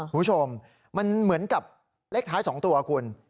คุณผู้ชมมันเหมือนกับเลขท้าย๒ตัวคุณ